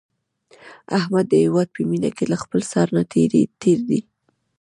احمد د هیواد په مینه کې له خپل سر نه تېر دی.